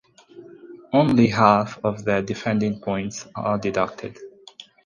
Only half of their defending points are deducted.